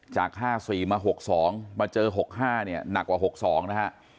จากห้าสี่มาหกสองมาเจอหกห้าเนี่ยหนักกว่าหกสองนะฮะ